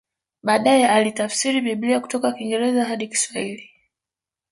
Baadae alitafsiri Biblia kutoka Kiingereza hadi Kiswahili